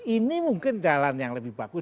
ini mungkin jalan yang lebih bagus